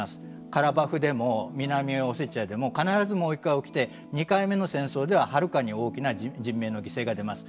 カラバフでも南オセチアでも必ずもう１回起きて２回目の戦争でははるかに大きな人命の犠牲が出ます。